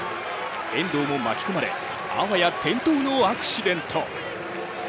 遠藤も巻き込まれあわや転倒のアクシデント。